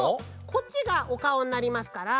こっちがおかおになりますから。